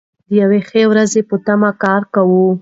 د یوې ښې ورځې په تمه کار کوو.